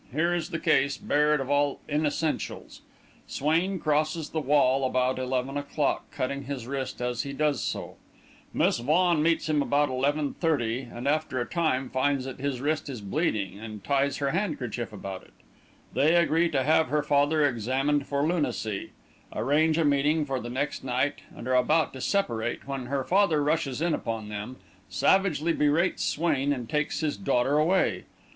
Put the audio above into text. Here is the case, bared of all inessentials: Swain crosses the wall about eleven o'clock, cutting his wrist as he does so; Miss Vaughan meets him about eleven thirty, and after a time, finds that his wrist is bleeding and ties her handkerchief about it; they agree to have her father examined for lunacy, arrange a meeting for the next night, and are about to separate, when her father rushes in upon them, savagely berates Swain and takes his daughter away.